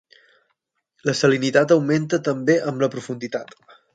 La salinitat augmenta també amb la profunditat.